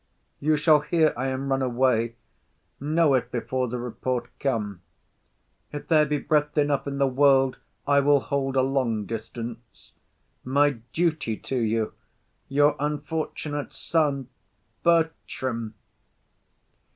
You shall hear I am run away; know it before the report come. If there be breadth enough in the world, I will hold a long distance. My duty to you. Your unfortunate son,_ BERTRAM.